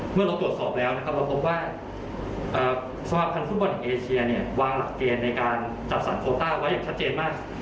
เมื่อเราตรวจสอบแล้วเราพบว่าสมาพันธุ์ภูมิอเมืองเอเชียวางหลักเกณฑ์ในการจับสรรโคลต้าไว้อย่างชัดเจนมาก